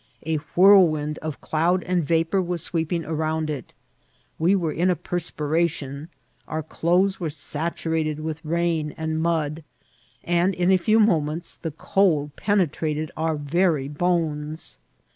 A whirlwind of cloud and vapour was sweep ing around it. We were in a perspiration ; our clothes were saturated with rain and mud ; and in a few mo ments the cold penetrated our very bones.